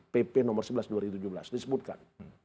pp nomor sebelas dua ribu tujuh belas disebutkan